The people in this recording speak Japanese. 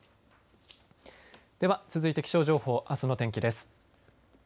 では続いて、気象情報あすの天気です。